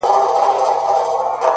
نو گراني تاته وايم ـ